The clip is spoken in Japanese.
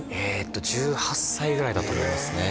１８歳ぐらいだったと思いますね